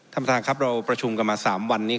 ท่านประธานครับเราประชุมกันมา๓วันนี้